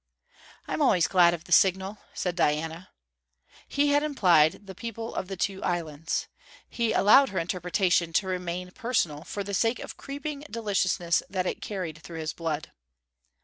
'I'm always glad of the signal,' said Diana. He had implied the people of the two islands. He allowed her interpretation to remain personal, for the sake of a creeping deliciousness that it carried through his blood.